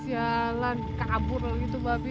sialan kabur gitu babi